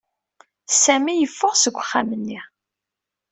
Sami yeffeɣ seg uxxam-nni.